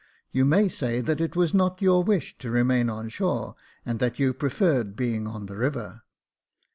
You may say that it was not your wish to remain on shore, and that you preferred being on the river.